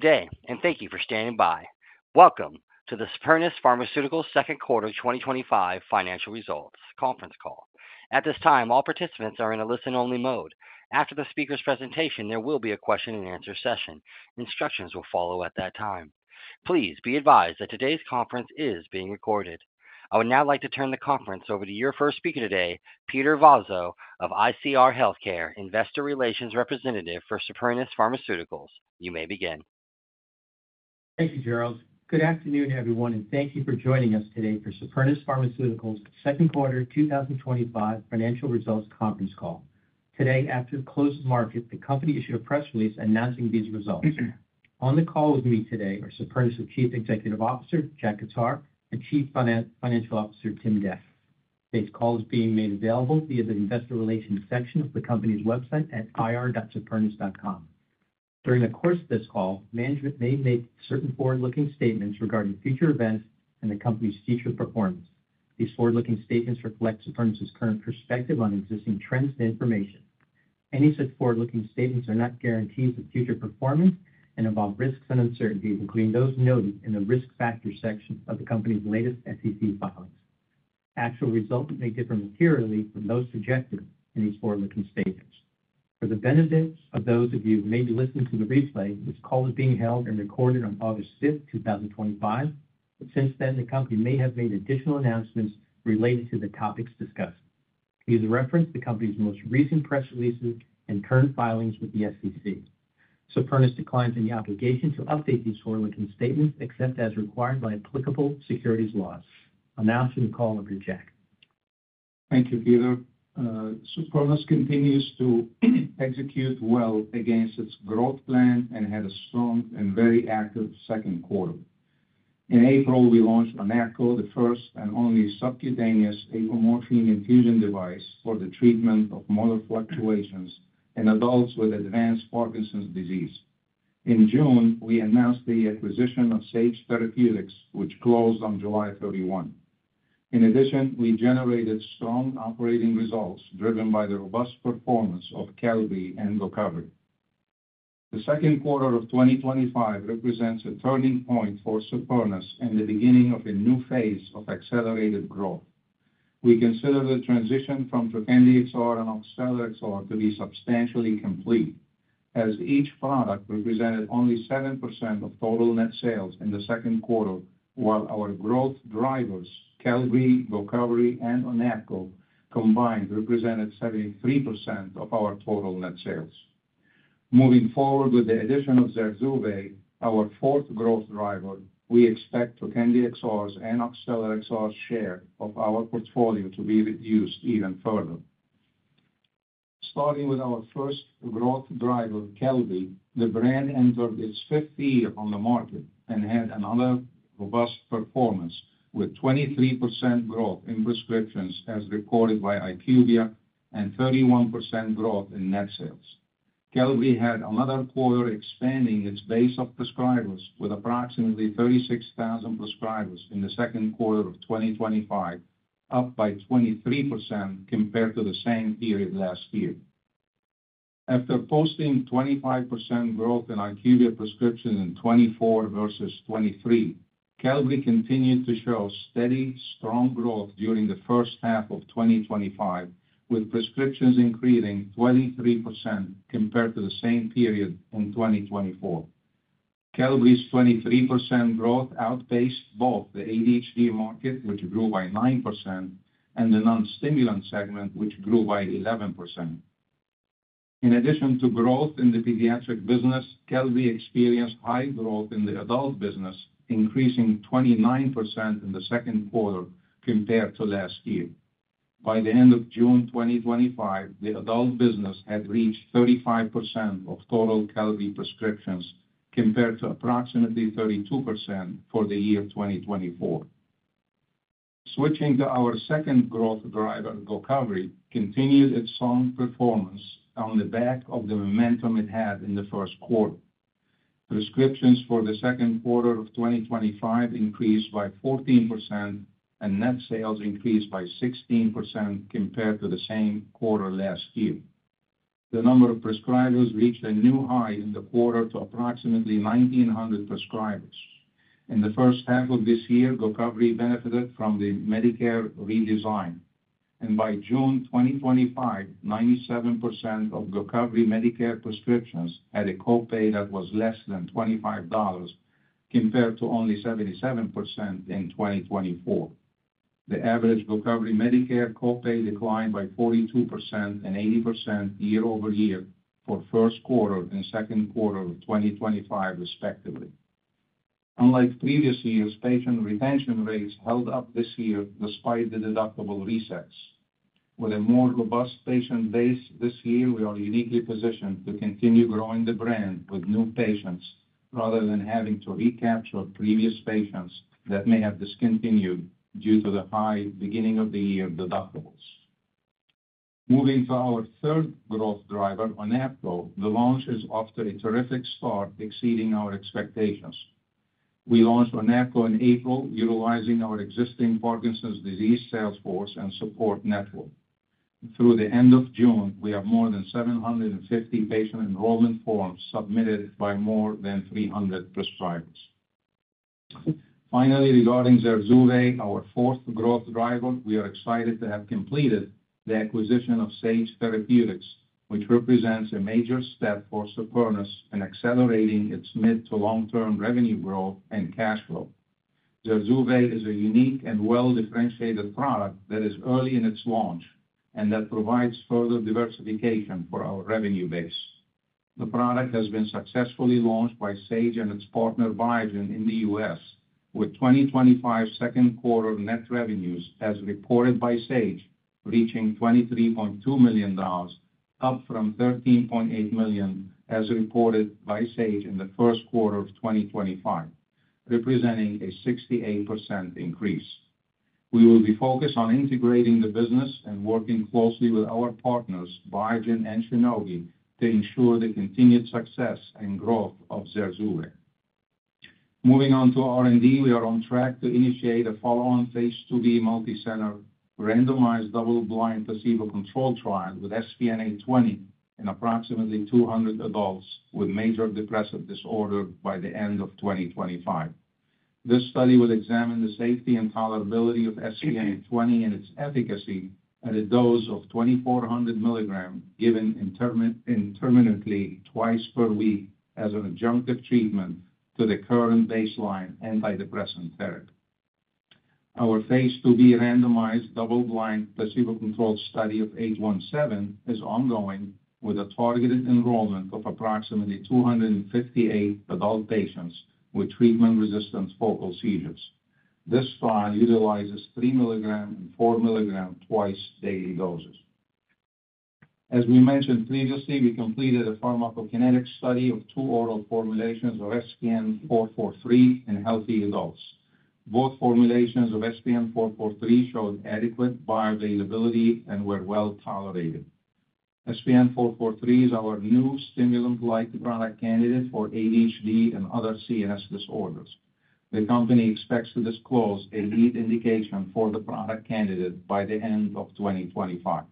Thank you for standing by. Welcome to the Supernus Pharmaceuticals second quarter 2025 financial results conference call. At this time, all participants are in a listen-only mode. After the speaker's presentation, there will be a question and answer session. Instructions will follow at that time. Please be advised that today's conference is being recorded. I would now like to turn the conference over to your first speaker today, Peter Vozzo of ICR Healthcare, Investor Relations Representative for Supernus Pharmaceuticals. You may begin. Thank you, Gerald. Good afternoon, everyone, and thank you for joining us today for Supernus Pharmaceuticals' second quarter 2025 financial results conference call. Today, after the close of the market, the company issued a press release announcing these results. On the call with me today are Supernus' Chief Executive Officer, Jack Khattar, and Chief Financial Officer, Tim Dec. This call is being made available via the Investor Relations section of the company's website at ir.supernus.com. During the course of this call, management may make certain forward-looking statements regarding future events and the company's future performance. These forward-looking statements reflect Supernus' current perspective on existing trends and information. Any such forward-looking statements are not guarantees of future performance and involve risks and uncertainties, including those noted in the risk factor section of the company's latest SEC filings. Actual results may differ materially from those suggested in these forward-looking statements. For the benefit of those of you who may be listening to the replay, this call is being held and recorded on August 5, 2025. Since then, the company may have made additional announcements related to the topics discussed. Please reference the company's most recent press releases and current filings with the SEC. Supernus declines any obligation to update these forward-looking statements, except as required by applicable securities laws. Announcing the call will be Jack. Thank you, Peter. Supernus continues to execute well against its growth plan and had a strong and very active second quarter. In April, we launched ONAPGO the first and only subcutaneous apomorphine infusion device for the treatment of motor fluctuations in adults with advanced Parkinson’s disease. In June, we announced the acquisition of Sage Therapeutics, which closed on July 31. In addition, we generated strong operating results driven by the robust performance of Qelbree and GOCOVRI. The second quarter of 2025 represents a turning point for Supernus and the beginning of a new phase of accelerated growth. We consider the transition from Trokendi XR and Oxtellar XR to be substantially complete, as each product represented only 7% of total net sales in the second quarter, while our growth drivers, Qelbree, GOCOVRI, and ONAPGO, combined represented 73% of our total net sales. Moving forward with the addition of ZURZUVAE, our fourth growth driver, we expect Trokendi XR’s and Oxtellar XR’s share of our portfolio to be reduced even further. Starting with our first growth driver, Qelbree, the brand entered its fifth year on the market and had another robust performance with 23% growth in prescriptions, as reported by IQVIA, and 31% growth in net sales. Qelbree had another quarter expanding its base of prescribers, with approximately 36,000 prescribers in the second quarter of 2025, up by 23% compared to the same period last year. After posting 25% growth in IQVIA prescriptions in 2024 versus 2023, Qelbree continued to show steady, strong growth during the first half of 2025, with prescriptions increasing 23% compared to the same period in 2024. Qelbree’s 23% growth outpaced both the ADHD market, which grew by 9%, and the non-stimulant segment, which grew by 11%. In addition to growth in the pediatric business, Qelbree experienced high growth in the adult business, increasing 29% in the second quarter compared to last year. By the end of June 2025, the adult business had reached 35% of total Qelbree prescriptions compared to approximately 32% for the year 2024. Switching to our second growth driver, GOCOVRI continued its strong performance on the back of the momentum it had in the first quarter. Prescriptions for the second quarter of 2025 increased by 14%, and net sales increased by 16% compared to the same quarter last year. The number of prescribers reached a new high in the quarter to approximately 1,900 prescribers. In the first half of this year, GOCOVRI benefited from the Medicare redesign, and by June 2025, 97% of GOCOVRI Medicare prescriptions had a copay that was less than $25 compared to only 77% in 2024. The average GOCOVRI Medicare copay declined by 42% and 80% year-over-year for the first quarter and second quarter of 2025, respectively. Unlike previous years, patient retention rates held up this year despite the deductible resets. With a more robust patient base this year, we are uniquely positioned to continue growing the brand with new patients rather than having to recapture previous patients that may have discontinued due to the high beginning of the year deductibles. Moving to our third growth driver, ONAPGO, the launch is off to a terrific start, exceeding our expectations. We launched ONAPGO in April, utilizing our existing Parkinson’s disease salesforce and support network. Through the end of June, we have more than 750 patient enrollment forms submitted by more than 300 prescribers. Finally, regarding ZURZUVAE, our fourth growth driver, we are excited to have completed the acquisition of Sage Therapeutics, which represents a major step for Supernus in accelerating its mid-to-long-term revenue growth and cash flow. ZURZUVAE is a unique and well-differentiated product that is early in its launch and that provides further diversification for our revenue base. The product has been successfully launched by Sage and its partner Biogen in the U.S., with 2025 second quarter net revenues, as reported by Sage, reaching $23.2 million, up from $13.8 million, as reported by Sage in the first quarter of 2025, representing a 68% increase. We will be focused on integrating the business and working closely with our partners, Biogen and Shinobi, to ensure the continued success and growth of ZURZUVAE. Moving on to R&D, we are on track to initiate a follow-on phase II B multicellular randomized double-blind placebo control trial with SPN-820 in approximately 200 adults with major depressive disorder by the end of 2025. This study will examine the safety and tolerability of SPN-820 and its efficacy at a dose of 2,400 mg given intermittently twice per week as an adjunctive treatment to the current baseline antidepressant therapy. Our phase II B randomized double-blind placebo control study of 817 is ongoing with a targeted enrollment of approximately 258 adult patients with treatment-resistant focal seizures. This trial utilizes 3 mg and 4 mg twice daily doses. As we mentioned previously, we completed a pharmacokinetic study of two oral formulations of SPN-443 in healthy adults. Both formulations of SPN-443 showed adequate bioavailability and were well tolerated. SPN-443 is our new stimulant-like product candidate for ADHD and other CNS disorders. The company expects to disclose a lead indication for the product candidate by the end of 2025.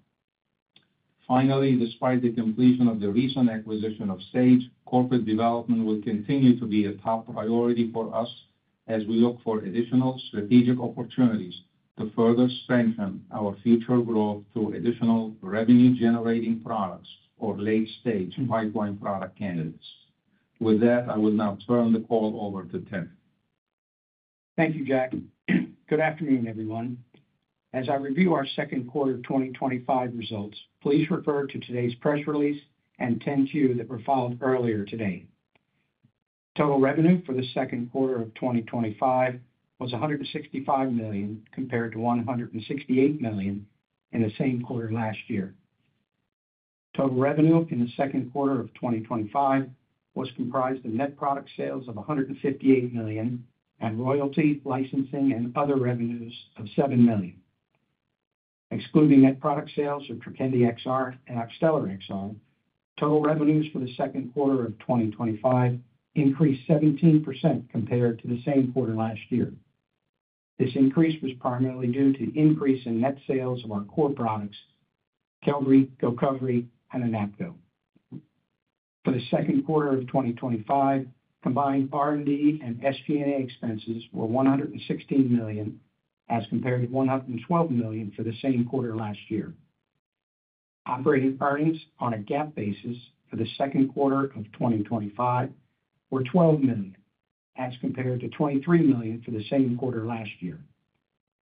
Finally, despite the completion of the recent acquisition of Sage Therapeutics, corporate development will continue to be a top priority for us as we look for additional strategic opportunities to further strengthen our future growth through additional revenue-generating products or late-stage pipeline product candidates. With that, I will now turn the call over to Tim Dec. Thank you, Jack. Good afternoon, everyone. As I review our second quarter 2025 results, please refer to today's press release and 10-Q that were filed earlier today. Total revenue for the second quarter of 2025 was $165 million compared to $168 million in the same quarter last year. Total revenue in the second quarter of 2025 was comprised of net product sales of $158 million and royalty, licensing, and other revenues of $7 million. Excluding net product sales of Trokendi XR and Oxtellar XR, total revenues for the second quarter of 2025 increased 17% compared to the same quarter last year. This increase was primarily due to an increase in net sales of our core products: Qelbree, GOCOVRI, and ONAPGO. For the second quarter of 2025, combined R&D and SG&A expenses were $116 million as compared to $112 million for the same quarter last year. Operating earnings on a GAAP basis for the second quarter of 2025 were $12 million as compared to $23 million for the same quarter last year.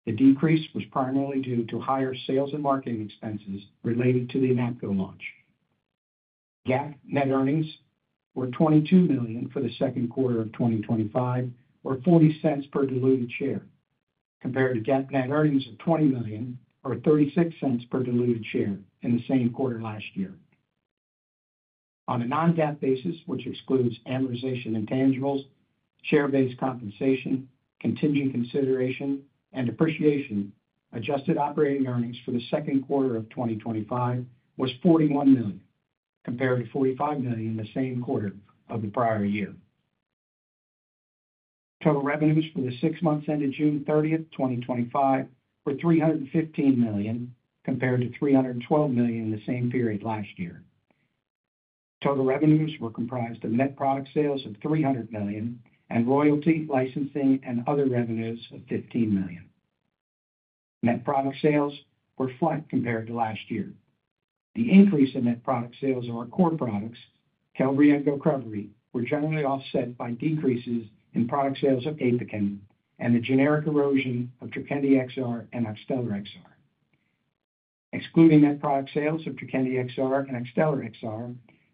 The decrease was primarily due to higher sales and marketing expenses related to the ONAPGO launch. GAAP net earnings were $22 million for the second quarter of 2025, or $0.40 per diluted share, compared to GAAP net earnings of $20 million, or $0.36 per diluted share in the same quarter last year. On a non-GAAP basis, which excludes amortization and intangibles, share-based compensation, contingent consideration, and depreciation, adjusted operating earnings for the second quarter of 2025 were $41 million, compared to $45 million in the same quarter of the prior year. Total revenues for the six months ended June 30th, 2025, were $315 million, compared to $312 million in the same period last year. Total revenues were comprised of net product sales of $300 million and royalty, licensing, and other revenues of $15 million. Net product sales were flat compared to last year. The increase in net product sales of our core products, Qelbree and GOCOVRI, was generally offset by decreases in product sales of APOKYN and the generic erosion of Trokendi XR and Oxtellar XR. Excluding net product sales of Trokendi XR and Oxtellar XR,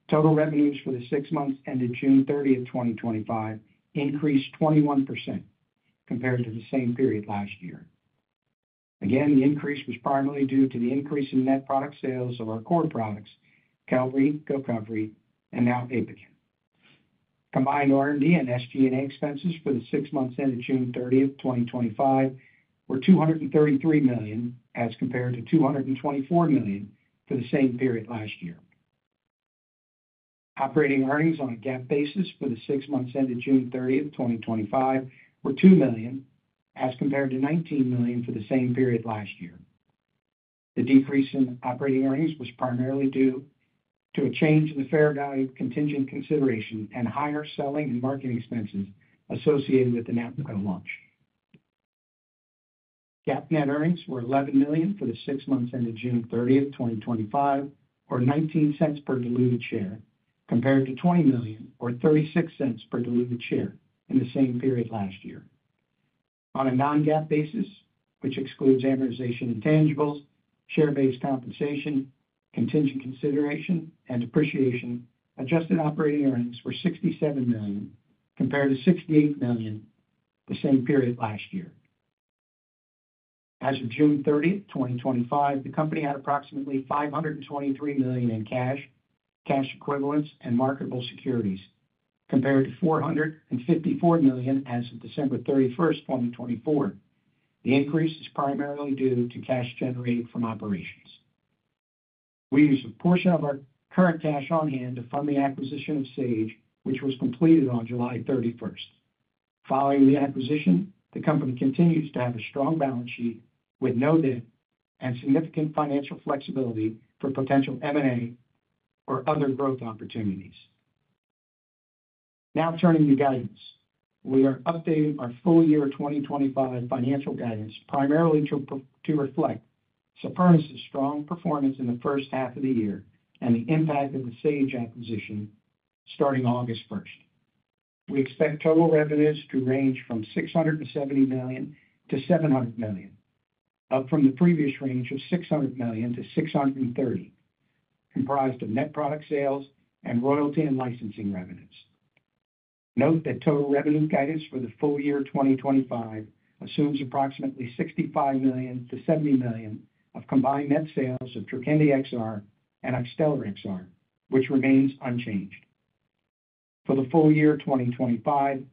total revenues for the six months ending June 30, 2025, increased 21% compared to the same period last year. Again, the increase was primarily due to the increase in net product sales of our core products, Qelbree, GOCOVRI, and now ONAPGO. Combined R&D and SG&A expenses for the six months ended June 30th, 2025, were $233 million as compared to $224 million for the same period last year. Operating earnings on a GAAP basis for the six months ended June 30th, 2025, were $2 million as compared to $19 million for the same period last year. The decrease in operating earnings was primarily due to a change in the fair value of contingent consideration and higher selling and marketing expenses associated with the ONAPGO launch. GAAP net earnings were $11 million for the six months ended June 30th, 2025, or $0.19 per diluted share, compared to $20 million or $0.36 per diluted share in the same period last year. On a non-GAAP basis, which excludes amortization and intangibles, share-based compensation, contingent consideration, and depreciation, adjusted operating earnings were $67 million compared to $68 million the same period last year. As of June 30, 2025, the company had approximately $523 million in cash, cash equivalents, and marketable securities, compared to $454 million as of December 31st, 2024. The increase is primarily due to cash generated from operations. We used a portion of our current cash on hand to fund the acquisition of Sage, which was completed on July 31st. Following the acquisition, the company continues to have a strong balance sheet with no debt and significant financial flexibility for potential M&A or other growth opportunities. Now turning to guidance, we are updating our full year 2025 financial guidance primarily to reflect Supernus strong performance in the first half of the year and the impact of the Sage acquisition starting August 1st. We expect total revenues to range from $670 million - $700 million, up from the previous range of $600 million - $630 million, comprised of net product sales and royalty and licensing revenues. Note that total revenue guidance for the full year 2025 assumes approximately $65 million - $70 million of combined net sales of Trokendi XR and Oxtellar XR, which remains unchanged. For the full year 2025,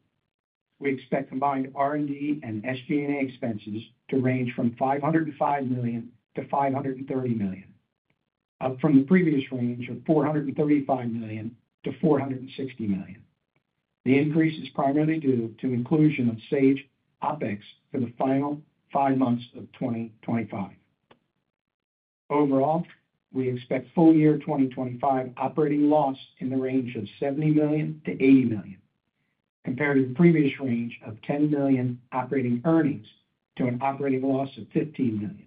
we expect combined R&D and SG&A expenses to range from $505 million - $530 million, up from the previous range of $435 million - $460 million. The increase is primarily due to the inclusion of Sage OpEx for the final five months of 2025. Overall, we expect full year 2025 operating loss in the range of $70 million - $80 million, compared to the previous range of $10 million operating earnings to an operating loss of $15 million.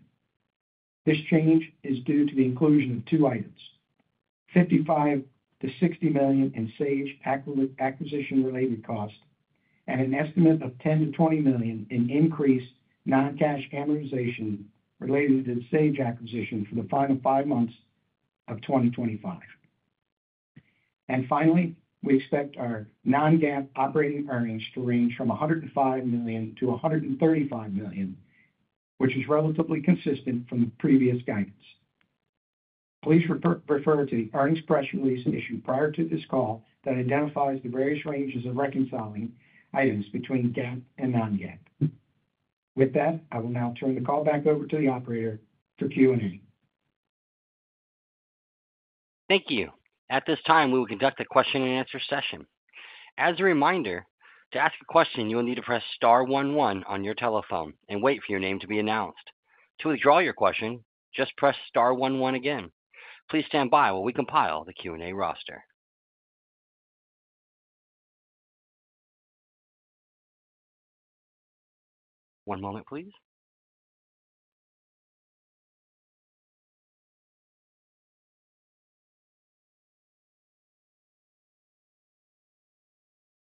This change is due to the inclusion of two items: $55 million - $60 million in Sage acquisition-related costs and an estimate of $10 million - $20 million in increased non-cash amortization related to the Sage acquisition for the final five months of 2025. Finally, we expect our non-GAAP operating earnings to range from $105 million - $135 million, which is relatively consistent from the previous guidance. Please refer to the earnings press release issued prior to this call that identifies the various ranges of reconciling items between GAAP and non-GAAP. With that, I will now turn the call back over to the operator for Q&A. Thank you. At this time, we will conduct a question and answer session. As a reminder, to ask a question, you will need to press star 11 on your telephone and wait for your name to be announced. To withdraw your question, just press star 11 again. Please stand by while we compile the Q&A roster. One moment, please.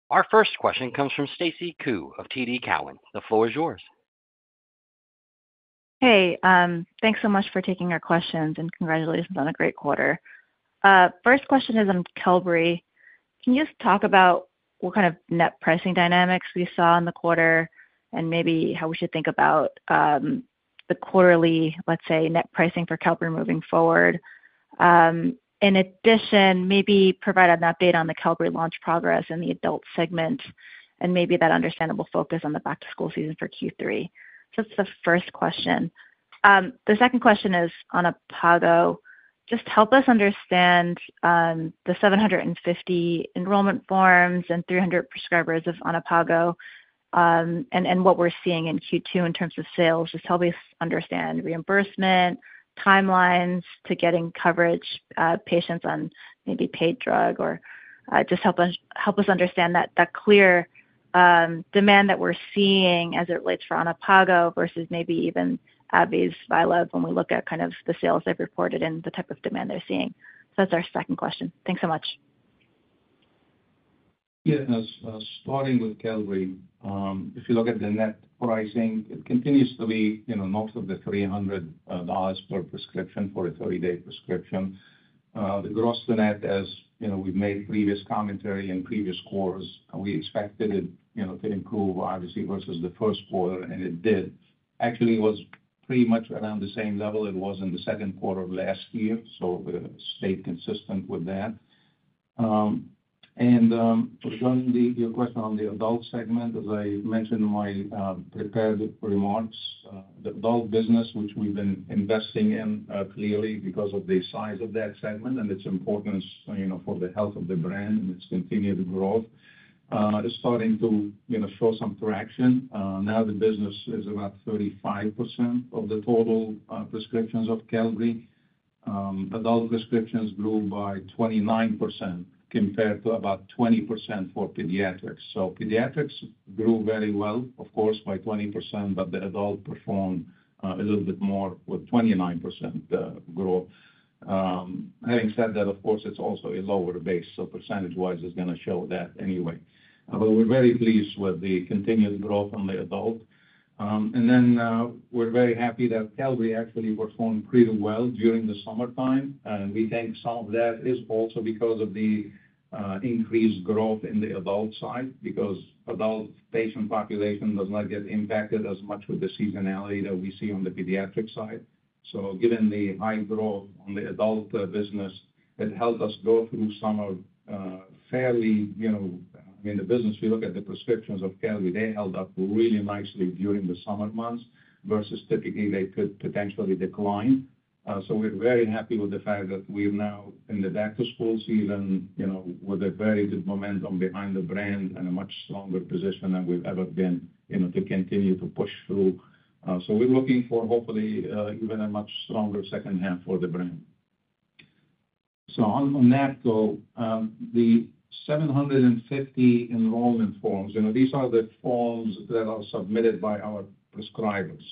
Our first question comes from Stacy Ku of TD Cowen. The floor is yours. Hey, thanks so much for taking our questions and congratulations on a great quarter. First question is on Qelbree. Can you just talk about what kind of net pricing dynamics we saw in the quarter and maybe how we should think about the quarterly, let's say, net pricing for Qelbree moving forward? In addition, maybe provide an update on the Qelbree launch progress in the adult segment and maybe that understandable focus on the back-to-school season for Q3? That's the first question. The second question is on ONAPGO. Just help us understand the 750 enrollment forms and 300 prescribers of ONAPGO and what we're seeing in Q2 in terms of sales. Just help us understand reimbursement timelines to getting coverage patients on maybe paid drug or just help us understand that clear demand that we're seeing as it relates for ONAPGO versus maybe even AbbVie's ViLev when we look at the sales they've reported and the type of demand they're seeing? That's our second question. Thanks so much. Yeah, starting with Qelbree, if you look at the net pricing, it continues to be north of the $300 per prescription for a 30-day prescription. The gross to net, as we made a previous commentary in previous quarters, we expected it to improve, obviously, versus the first quarter, and it did. Actually, it was pretty much around the same level it was in the second quarter of last year, so we're staying consistent with that. Regarding your question on the adult segment, as I mentioned in my prepared remarks, the adult business, which we've been investing in clearly because of the size of that segment and its importance for the health of the brand and its continued growth, it is starting to show some traction. Now the business is about 35% of the total prescriptions of Qelbree. Adult prescriptions grew by 29% compared to about 20% for pediatrics. Pediatrics grew very well, of course, by 20%, but the adult performed a little bit more with 29% growth. Having said that, of course, it's also a lower base, so percentage-wise, it's going to show that anyway. We're very pleased with the continued growth on the adult. We're very happy that Qelbree actually performed pretty well during the summertime. We think some of that is also because of the increased growth in the adult side because the adult patient population does not get impacted as much with the seasonality that we see on the pediatric side. Given the high growth on the adult business, it helped us go through summer fairly. The business, we look at the prescriptions of Qelbree, they held up really nicely during the summer months versus typically they could potentially decline. We're very happy with the fact that we're now in the back-to-school season with a very good momentum behind the brand and a much stronger position than we've ever been to continue to push through. We're looking for hopefully even a much stronger second half for the brand. On ONAPGO, the 750 enrollment forms, these are the forms that are submitted by our prescribers.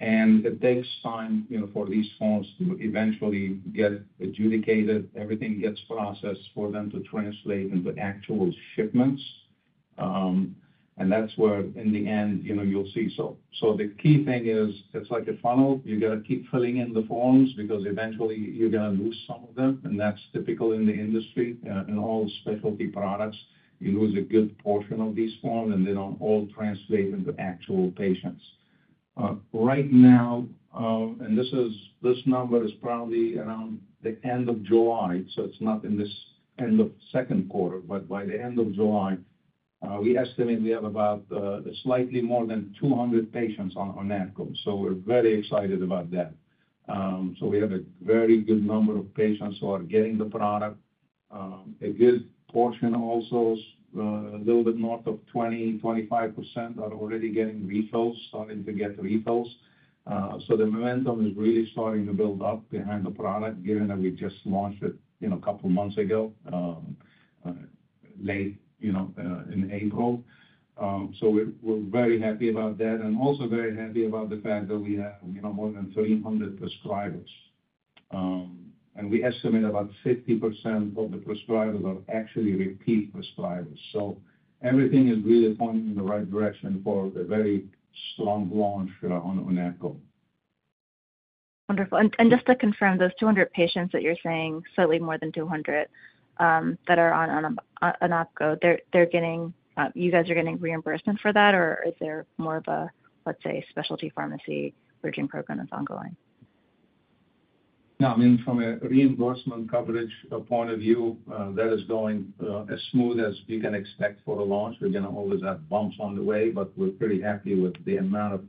The deadline for these forms to eventually get adjudicated, everything gets processed for them to translate into actual shipments. That's where, in the end, you'll see some. The key thing is it's like a funnel. You've got to keep filling in the forms because eventually you're going to lose some of them. That's typical in the industry. In all specialty products, you lose a good portion of these forms, and they don't all translate into actual patients. Right now, and this number is probably around the end of July, so it's not in this end of second quarter, but by the end of July, we estimate we have about slightly more than 200 patients on ONAPGO. We're very excited about that. We have a very good number of patients who are getting the product. A good portion also, a little bit north of 20%, 25%, are already getting refills, starting to get refills. The momentum is really starting to build up behind the product, given that we just launched it a couple of months ago, late in April. We're very happy about that and also very happy about the fact that we have more than 300 prescribers. We estimate about 50% of the prescribers are actually repeat prescribers. Everything is really pointing in the right direction for the very long launch on ONAPGO. Wonderful. Just to confirm, those 200 patients that you're saying, slightly more than 200 that are on ONAPGO, you guys are getting reimbursement for that, or is there more of a, let's say, specialty pharmacy bridging program that's ongoing? No, I mean, from a reimbursement coverage point of view, that is going as smooth as you can expect for a launch. We are going to always have bumps on the way, but we're pretty happy with the amount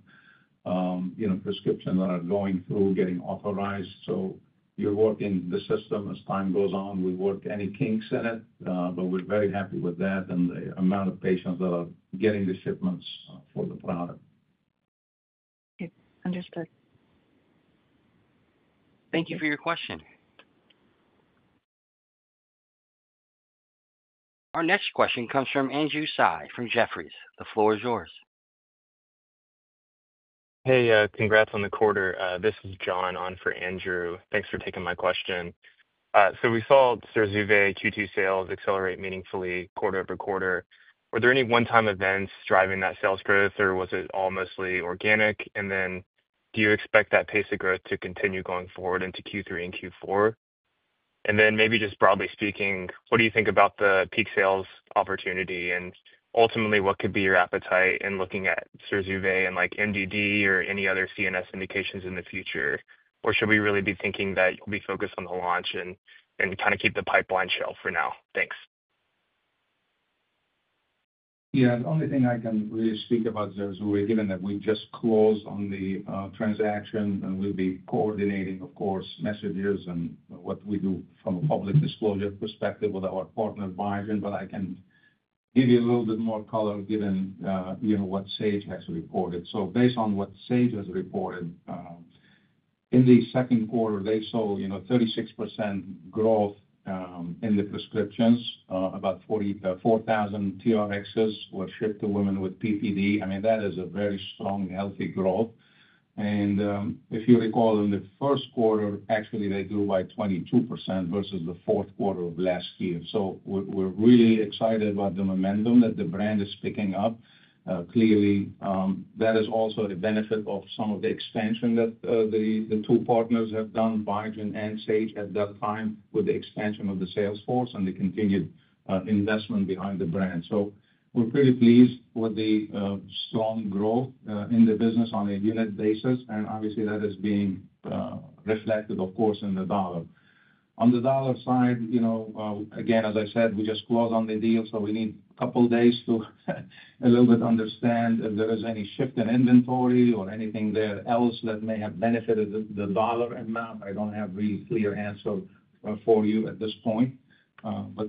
of prescriptions that are going through, getting authorized. We are working the system as time goes on. We work any kinks in it, but we're very happy with that and the amount of patients that are getting the shipments for the product. Okay. Understood. Thank you for your question. Our next question comes from Andrew Sy from Jefferies. The floor is yours. Hey, congrats on the quarter. This is John on for Andrew. Thanks for taking my question. We saw ZURZUVAE Q2 sales accelerate meaningfully quarter over quarter. Were there any one-time events driving that sales growth, or was it all mostly organic? Do you expect that pace of growth to continue going forward into Q3 and Q4? Maybe just broadly speaking, what do you think about the peak sales opportunity? Ultimately, what could be your appetite in looking at ZURZUVAE and like MDD or any other CNS indications in the future? Should we really be thinking that we focus on the launch and kind of keep the pipeline shell for now? Thanks. Yeah, the only thing I can really speak about ZURZUVAE, given that we just closed on the transaction, we'll be coordinating, of course, messages and what we do from a public disclosure perspective with our partner, Biogen. I can give you a little bit more color, given you know what Sage has reported. Based on what Sage has reported, in the second quarter, they show 36% growth in the prescriptions. About 44,000 TRXs were shipped to women with PPD. That is a very strong, healthy growth. If you recall, in the first quarter, actually, they grew by 22% versus the fourth quarter of last year. We're really excited about the momentum that the brand is picking up. Clearly, that is also a benefit of some of the expansion that the two partners have done, Biogen and Sage, at that time with the expansion of the salesforce and the continued investment behind the brand. We're pretty pleased with the strong growth in the business on a yearly basis. Obviously, that is being reflected, of course, in the dollar. On the dollar side, again, as I said, we just closed on the deal, so we need a couple of days to a little bit understand if there is any shift in inventory or anything else that may have benefited the dollar amount. I don't have a clear answer for you at this point.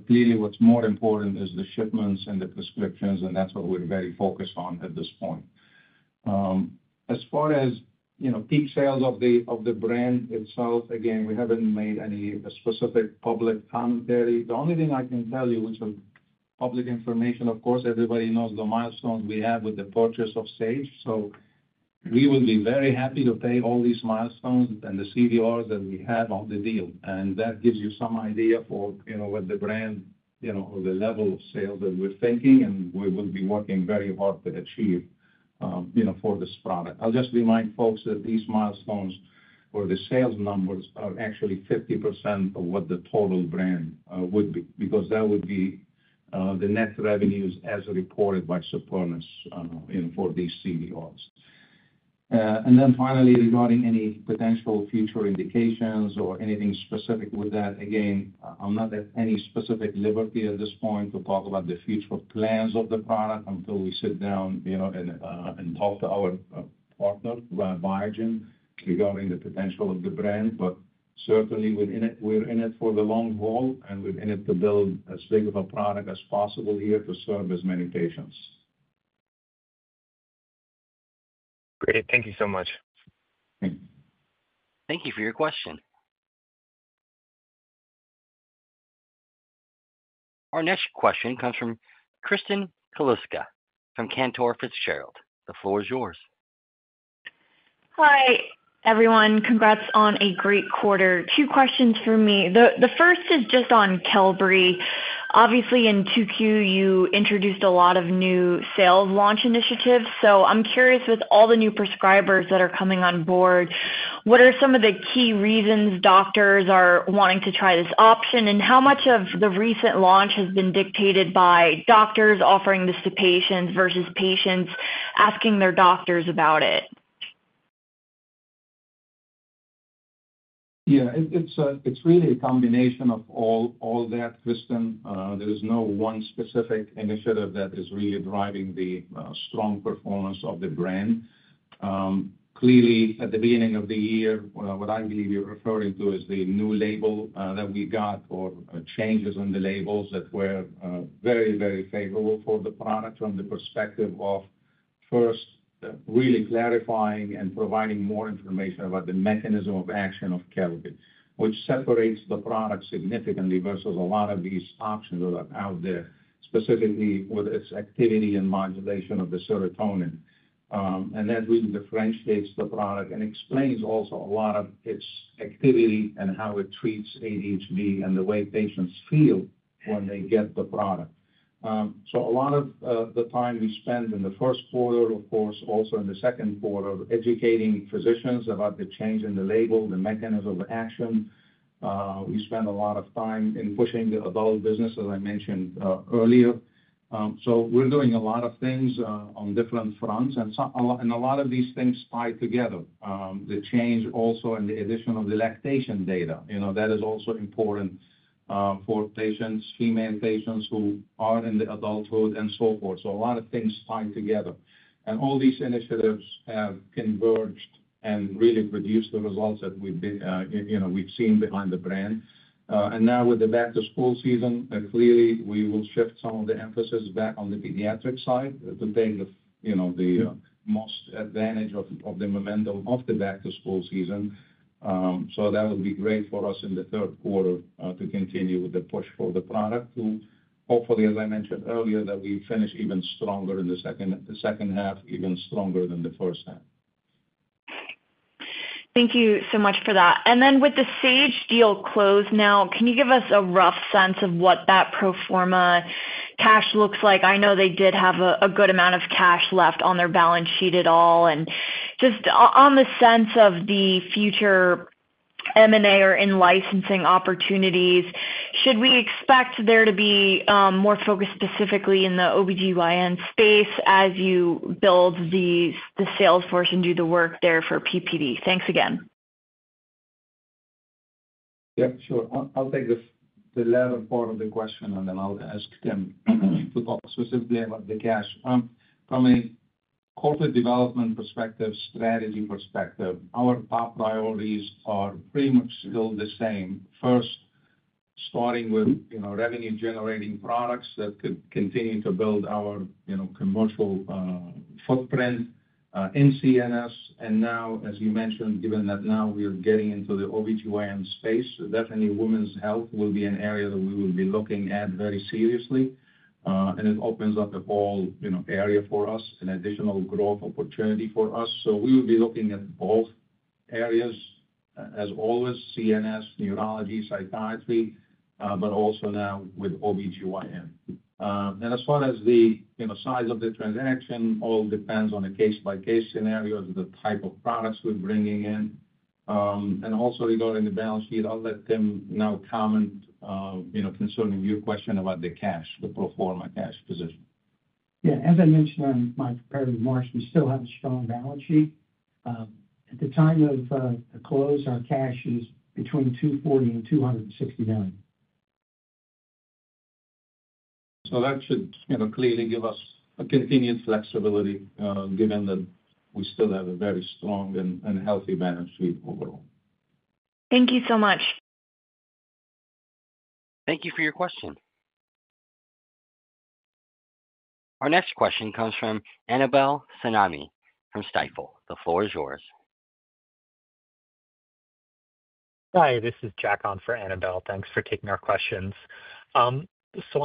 Clearly, what's more important is the shipments and the prescriptions, and that's what we're very focused on at this point. As far as peak sales of the brand itself, again, we haven't made any specific public commentary. The only thing I can tell you, which is public information, of course, everybody knows the milestones we have with the purchase of Sage. We will be very happy to pay all these milestones and the CDRs that we have on the deal. That gives you some idea for what the brand, you know, or the level of sales that we're thinking, and we will be working very hard to achieve, you know, for this product. I'll just remind folks that these milestones or the sales numbers are actually 50% of what the total brand would be because that would be the net revenues as reported by Supernus for these CDRs. Finally, regarding any potential future indications or anything specific with that, again, I'm not at any specific liberty at this point to talk about the future plans of the product until we sit down, you know, and talk to our partner, Biogen, regarding the potential of the brand. Certainly, we're in it for the long haul, and we're in it to build as big of a product as possible here to serve as many patients. Great. Thank you so much. Thank you for your question. Our next question comes from Kristen Kluska from Cantor Fitzgerald. The floor is yours. Hi, everyone. Congrats on a great quarter. Two questions for me. The first is just on Qelbree. Obviously, in 2Q, you introduced a lot of new sales launch initiatives. I'm curious, with all the new prescribers that are coming on board, what are some of the key reasons doctors are wanting to try this option? How much of the recent launch has been dictated by doctors offering this to patients versus patients asking their doctors about it? Yeah, so it's really a combination of all that, Kristen. There is no one specific initiative that is really driving the strong performance of the brand. Clearly, at the beginning of the year, what I believe you're referring to is the new label that we got or changes in the labels that were very, very favorable for the product from the perspective of first really clarifying and providing more information about the mechanism of action of Qelbree, which separates the product significantly versus a lot of these options that are out there, specifically with its activity and modulation of the serotonin. That really differentiates the product and explains also a lot of its activity and how it treats ADHD and the way patients feel when they get the product. A lot of the time we spend in the first quarter, of course, also in the second quarter, educating physicians about the change in the label, the mechanism of action. We spend a lot of time in pushing the adult business, as I mentioned earlier. We're doing a lot of things on different fronts, and a lot of these things tie together. The change also in the addition of the lactation data, you know, that is also important for patients, female patients who are in the adulthood and so forth. A lot of things tie together. All these initiatives have converged and really produced the results that we've seen behind the brand. Now with the back-to-school season, clearly, we will shift some of the emphasis back on the pediatric side to take the most advantage of the momentum of the back-to-school season. That would be great for us in the third quarter to continue with the push for the product to hopefully, as I mentioned earlier, that we finish even stronger in the second half, even stronger than the first half. Thank you so much for that. With the Sage deal closed now, can you give us a rough sense of what that pro forma cash looks like? I know they did have a good amount of cash left on their balance sheet. Just on the sense of the future M&A or in-licensing opportunities, should we expect there to be more focus specifically in the OB/GYN space as you build the salesforce and do the work there for PPD? Thanks again. Yeah, sure, I'll take this to the other part of the question and allow the asking to talk specifically about the cash. From a corporate development perspective, strategy perspective, our top priorities are pretty much still the same. First, starting with revenue-generating products that could continue to build our commercial footprint in CNS. Now, as you mentioned, given that now we're getting into the OB/GYN space, definitely women's health will be an area that we will be looking at very seriously. It opens up a whole area for us, an additional growth opportunity for us. We will be looking at both areas, as always, CNS, neurology, psychiatry, but also now with OB/GYN. As far as the size of the transaction, all depends on the case-by-case scenario, the type of products we're bringing in. Also, regarding the balance sheet, I'll let Tim now comment concerning your question about the cash, the pro forma cash position. As I mentioned in my prior remarks, we still have a strong balance sheet. At the time of close, our cash is between $240 million and $260 million. That should clearly give us continued flexibility, given that we still have a very strong and healthy balance sheet overall. Thank you so much. Thank you for your question. Our next question comes from Annabelle Samimy from Stifel. The floor is yours. Hi, this is Jack on for Annabelle. Thanks for taking our questions. On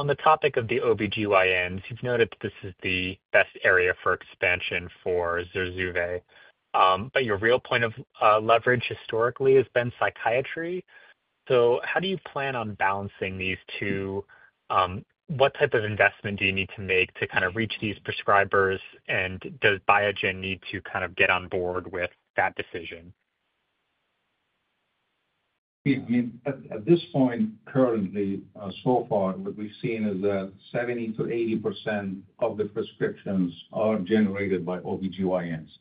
the topic of the OB/GYNs, you've noted that this is the best area for expansion for ZURZUVAE. Your real point of leverage historically has been psychiatry. How do you plan on balancing these two? What type of investment do you need to make to kind of reach these prescribers? Does Biogen need to kind of get on board with that decision? Yeah, I mean, at this point, currently, so far, what we've seen is that 70% - 80% of the prescriptions are generated by OB/GYNs.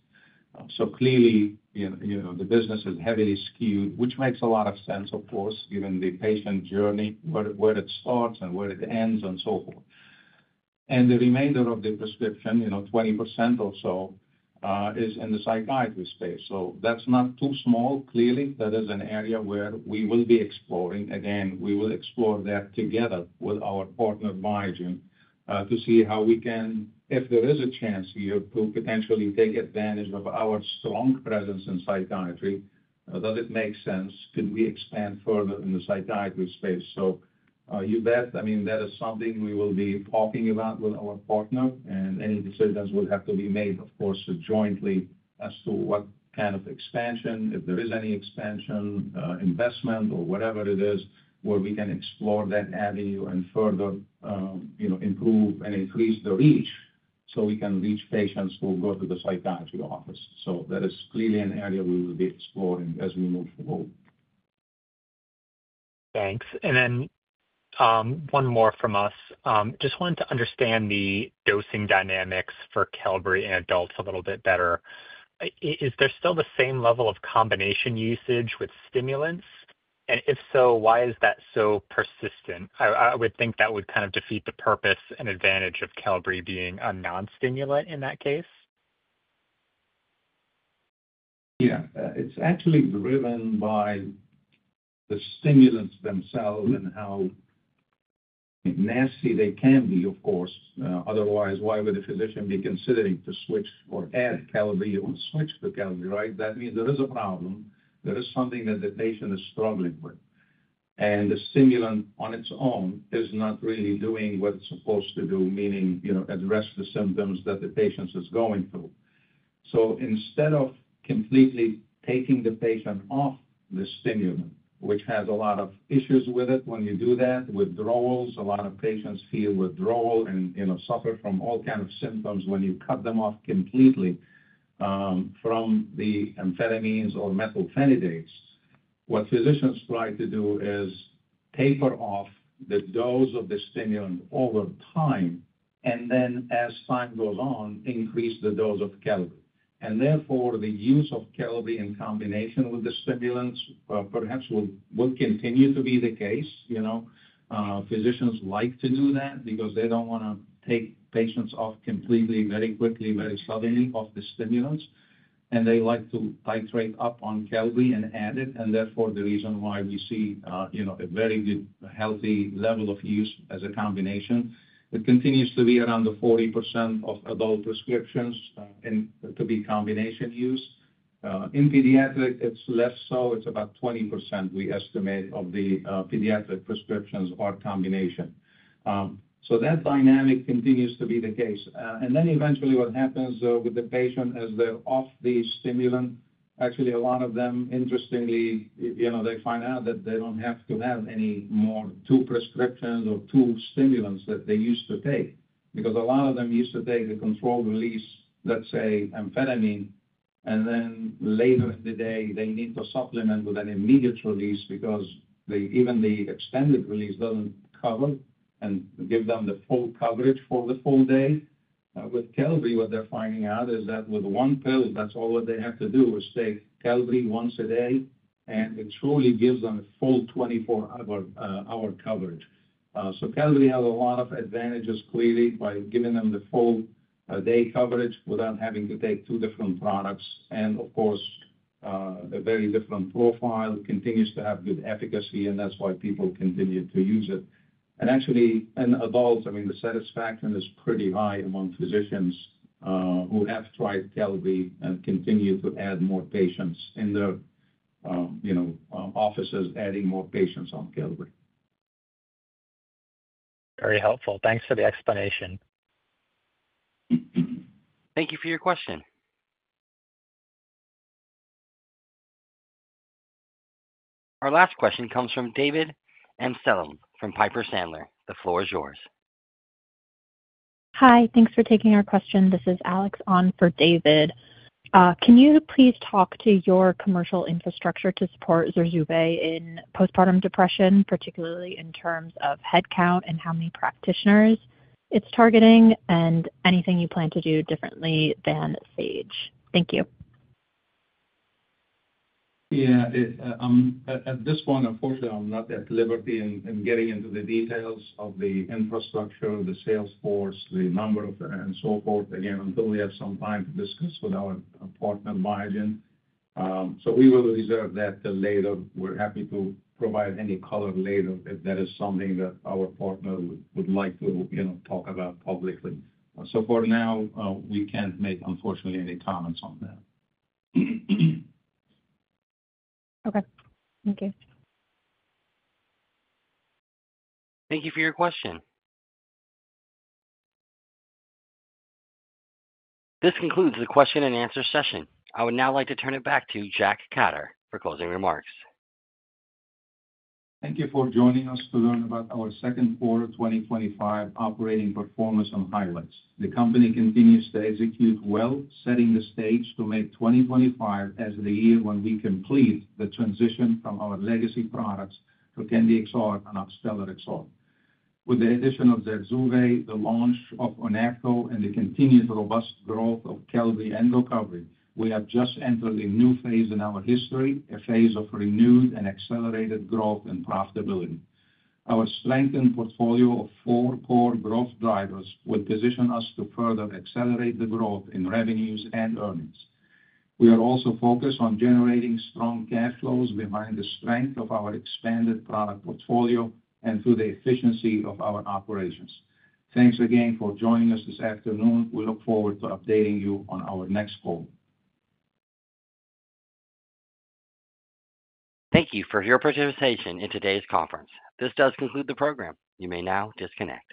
Clearly, the business is heavily skewed, which makes a lot of sense, of course, given the patient journey, where it starts and where it ends and so forth. The remainder of the prescription, 20% or so, is in the psychiatry space. That's not too small. Clearly, that is an area where we will be exploring. Again, we will explore that together with our partner, Biogen, to see how we can, if there is a chance here, to potentially take advantage of our strong presence in psychiatry. Does it make sense? Can we expand further in the psychiatry space? You bet, I mean, that is something we will be talking about with our partner. Any decisions will have to be made, of course, jointly as to what kind of expansion, if there is any expansion, investment, or whatever it is, where we can explore that avenue and further improve and increase the reach so we can reach patients who go to the psychiatry office. That is clearly an area we will be exploring as we move forward. Thanks. One more from us. Just wanted to understand the dosing dynamics for Qelbree in adults a little bit better. Is there still the same level of combination usage with stimulants? If so, why is that so persistent? I would think that would kind of defeat the purpose and advantage of Qelbree being a non-stimulant in that case? Yeah, it's actually driven by the stimulants themselves and how nasty they can be, of course. Otherwise, why would a physician be considering to switch or add Qelbree or switch to Qelbree, right? That means there is a problem. There is something that the patient is struggling with, and the stimulant on its own is not really doing what it's supposed to do, meaning, you know, address the symptoms that the patient is going through. Instead of completely taking the patient off the stimulant, which has a lot of issues with it when you do that—withdrawals, a lot of patients feel withdrawal and suffer from all kinds of symptoms when you cut them off completely from the amphetamines or methylphenidates—what physicians try to do is taper off the dose of the stimulant over time and then, as time goes on, increase the dose of Qelbree. Therefore, the use of Qelbree in combination with the stimulants perhaps would continue to be the case. Physicians like to do that because they don't want to take patients off completely, very quickly, very suddenly off the stimulants. They like to titrate up on Qelbree and add it. Therefore, the reason why we see a very good, healthy level of use as a combination. It continues to be around the 40% of adult prescriptions to be combination use. In pediatric, it's less so. It's about 20% we estimate of the pediatric prescriptions are combination. That dynamic continues to be the case. Eventually, what happens with the patient is they're off the stimulant. Actually, a lot of them, interestingly, they find out that they don't have to have any more two prescriptions or two stimulants that they used to take because a lot of them used to take the controlled release, let's say, amphetamine, and then later in the day, they need to supplement with an immediate release because even the extended release doesn't cover and give them the full coverage for the full day. With Qelbree, what they're finding out is that with one pill, that's all what they have to do is take Qelbree once a day, and it truly gives them full 24-hour coverage. Qelbree has a lot of advantages clearly by giving them the full day coverage without having to take two different products. Of course, a very different profile continues to have good efficacy, and that's why people continue to use it. Actually, in adults, the satisfaction is pretty high among physicians who have tried Qelbree and continue to add more patients in their offices, adding more patients on Qelbree. Very helpful. Thanks for the explanation. Thank you for your question. Our last question comes from David Amsellem from Piper Sandler. The floor is yours. Hi, thanks for taking our question. This is Alex on for David. Can you please talk to your commercial infrastructure to support ZURZUVAE in postpartum depression, particularly in terms of headcount and how many practitioners it's targeting and anything you plan to do differently than Sage? Thank you. At this point, unfortunately, I'm not at liberty to get into the details of the infrastructure, the salesforce, the number of, and so forth, until we have some time to discuss with our partner, Biogen. We will reserve that till later. We're happy to provide any color later if that is something that our partner would like to talk about publicly. For now, we can't make, unfortunately, any comments on that. Okay, thank you. Thank you for your question. This concludes the question and answer session. I would now like to turn it back to Jack Khattar for closing remarks. Thank you for joining us to learn about our second quarter 2025 operating performance and highlights. The company continues to execute well, setting the stage to make 2025 the year when we complete the transition from our legacy products to Trokendi XR and Oxtellar XR. With the addition of ZURZUVAE, the launch of ONAPGO, and the continued robust growth of Qelbree and GOCOVRI, we have just entered a new phase in our history, a phase of renewed and accelerated growth and profitability. Our strengthened portfolio of four core growth drivers will position us to further accelerate the growth in revenues and earnings. We are also focused on generating strong cash flows behind the strength of our expanded product portfolio and through the efficiency of our operations. Thanks again for joining us this afternoon. We look forward to updating you on our next call. Thank you for your participation in today's conference. This does conclude the program. You may now disconnect.